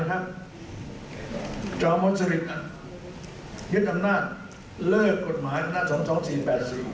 ยั้งทำหน้าเลิกกฎหมายใน๐๒๔๘๔